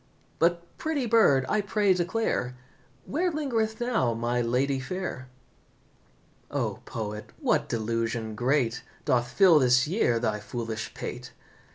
But, pretty bird, I pray declare Where lingereth now my lady fair?" "O, poet, what delusion great Doth fill this year thy foolish pate?